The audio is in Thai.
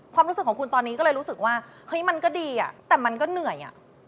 ความรู้สึกของคุณตอนนี้ก็เลยรู้สึกว่าเฮ้ยมันก็ดีอ่ะแต่มันก็เหนื่อยอ่ะ